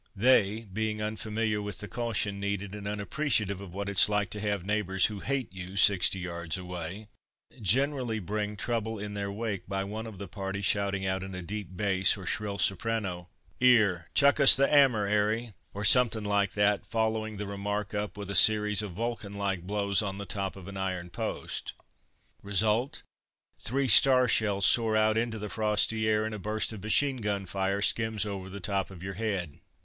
They, being unfamiliar with the caution needed, and unappreciative of what it's like to have neighbours who "hate" you sixty yards away, generally bring trouble in their wake by one of the party shouting out in a deep bass or a shrill soprano, "'Ere, chuck us the 'ammer, 'Arry," or something like that, following the remark up with a series of vulcan like blows on the top of an iron post. Result: three star shells soar out into the frosty air, and a burst of machine gun fire skims over the top of your head.